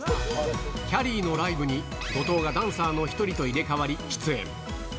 きゃりーのライブに後藤がダンサーの１人と入れ代わり、出演。